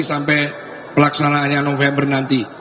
sampai pelaksanaannya november nanti